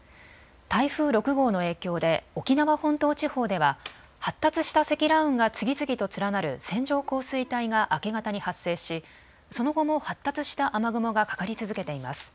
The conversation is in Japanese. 台風６号の影響で沖縄本島地方では発達した積乱雲が次々と連なる線状降水帯が明け方に発生しその後も発達した雨雲がかかり続けています。